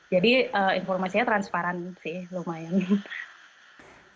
jadi informasinya transparan sih lumayan